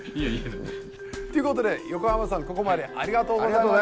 っていうことで横山さんここまでありがとうございました。